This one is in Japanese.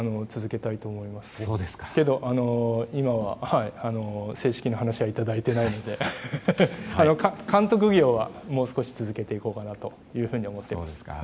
ただ、今は正式な話はいただいてないので監督業はもう少し続けていこうかなと思っています。